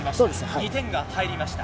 ２点が入りました。